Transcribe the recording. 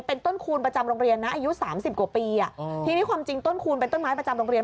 เป็นต้นคูณประจำโรงเรียนนะอายุสามสิบกว่าปีอ่ะทีนี้ความจริงต้นคูณเป็นต้นไม้ประจำโรงเรียน